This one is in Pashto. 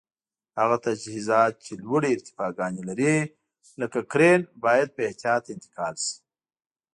هغه تجهیزات چې لوړې ارتفاګانې لري لکه کرېن باید په احتیاط انتقال شي.